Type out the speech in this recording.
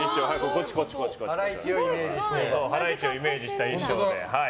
ハライチをイメージした衣装で。